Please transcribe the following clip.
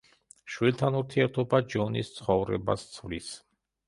შვილთან ურთიერთობა ჯონის ცხოვრებას ცვლის.